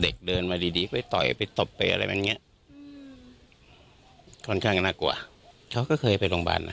เดินมาดีดีไปต่อยไปตบไปอะไรแบบเนี้ยค่อนข้างน่ากลัวเขาก็เคยไปโรงพยาบาลนะ